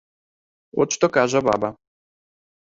От што кажа баба.